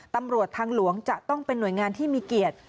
ตำรวจทางหลวงจะต้องเป็นหน่วยงานที่มีเกียรติ